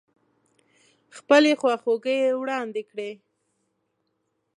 خپلې خواخوږۍ يې واړندې کړې.